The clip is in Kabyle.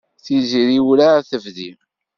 Tiziri werɛad tebdi.